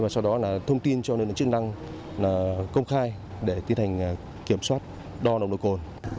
sau đó là thông tin cho lực lượng chức năng công khai để tiến hành kiểm soát đo nồng độ cồn